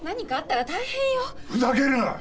ふざけるな！